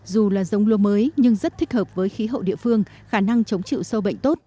dù là giống lúa mới nhưng rất thích hợp với khí hậu địa phương khả năng chống chịu sâu bệnh tốt